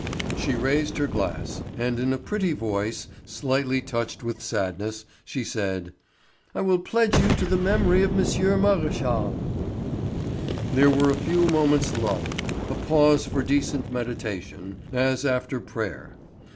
She raised her glass, and in a pretty voice, slightly touched with sadness, she said: "I will pledge you to the memory of M. Maréchal." There was a few moments' lull, a pause for decent meditation, as after prayer.